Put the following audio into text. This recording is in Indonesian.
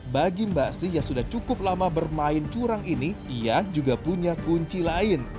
bagi mbak sih yang sudah cukup lama bermain curang ini ia juga punya kunci lain